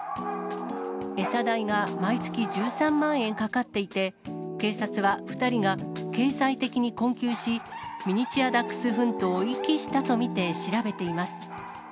餌代が毎月１３万円かかっていて、警察は２人が経済的に困窮し、ミニチュアダックスフントを遺棄したと見て調べています。